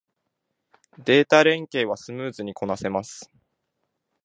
データ連携はスムーズにこなせます